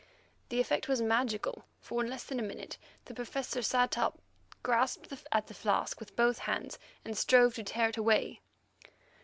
The effect was magical, for in less than a minute the Professor sat up, grasped at the flask with both hands, and strove to tear it away.